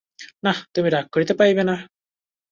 না, তুমি রাগ করিতে পাইবে না।